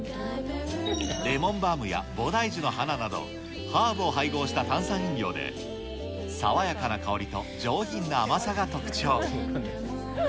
レモンバームや菩提樹の花など、ハーブを配合した炭酸飲料で、爽やかな香りと上品な甘さが特徴。